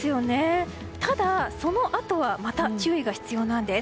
ただ、そのあとはまた注意が必要なんです。